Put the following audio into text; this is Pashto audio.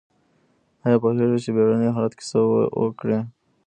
ایا پوهیږئ چې بیړني حالت کې څه وکړئ؟